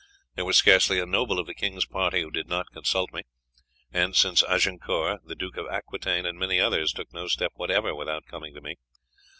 There was scarcely a noble of the king's party who had not consulted me, and since Agincourt the Duke of Aquitaine and many others took no step whatever without coming to me.